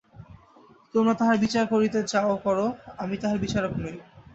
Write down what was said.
তোমরা তাঁহার বিচার করিতে চাও করো, আমি তাঁহার বিচারক নই।